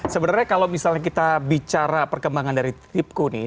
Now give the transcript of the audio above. sebenarnya kalau misalnya kita bicara perkembangan dari tipku nih